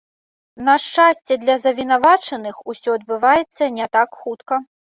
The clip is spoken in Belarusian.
На шчасце для завінавачаных, усё адбываецца не так хутка.